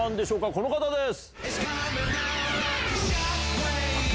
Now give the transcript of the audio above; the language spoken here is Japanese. この方です。